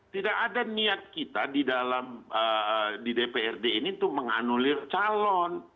tidak ada niat kita di dalam di dprd ini untuk menganulir calon